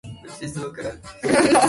Fue filmada en el Delta del Rio Paraná.